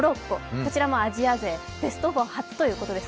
こちらもアジア勢初ベスト４発ということです。